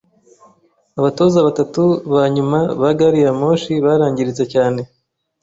Abatoza batatu ba nyuma ba gari ya moshi barangiritse cyane.